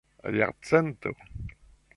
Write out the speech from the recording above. jarcento